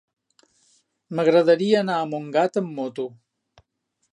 M'agradaria anar a Montgat amb moto.